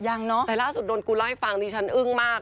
ยังเนอะแต่ล่าสุดโดนกูเล่าให้ฟังฉันอึ้งมาก